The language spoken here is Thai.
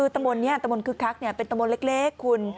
ตะบนคึกคักเป็นตะบนเล็ก